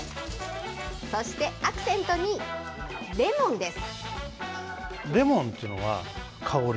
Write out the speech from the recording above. そしてアクセントにレモンです。